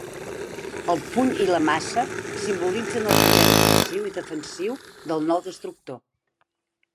El puny i la maça simbolitzen el poder ofensiu i defensiu del nou destructor.